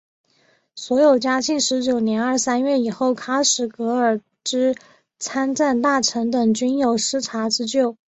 所有嘉庆十九年二三月以后喀什噶尔之参赞大臣等均有失察之咎。